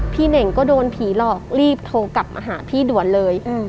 เน่งก็โดนผีหลอกรีบโทรกลับมาหาพี่ด่วนเลย